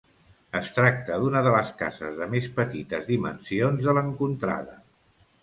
Es tracta d'una de les cases de més petites dimensions de l'encontrada.